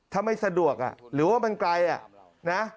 ถ้าไม่สะดวกหรือว่ามันไกลนะ